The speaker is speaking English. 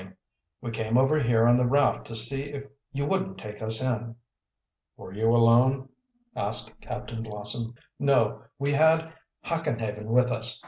"We came over here on the raft to see if you wouldn't take us in." "Were you alone?" asked Captain Blossom. "No, we had Hackenhaven with us.